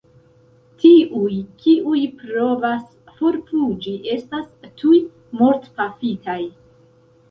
Tiuj, kiuj provas forfuĝi estas tuj mortpafitaj.